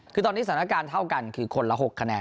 คือตอนนี้สถานการณ์เท่ากันคือคนละ๖คะแนน